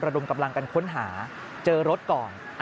ดมกำลังกันค้นหาเจอรถก่อน